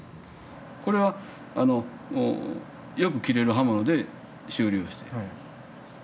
これはよく切れる刃物で修理をしている。